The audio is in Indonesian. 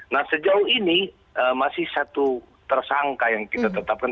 nah sejauh ini masih satu tersangka yang kita tetapkan